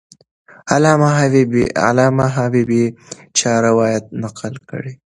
علامه حبیبي چا روایت نقل کړی؟